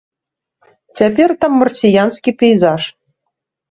Цяпер там марсіянскі пейзаж.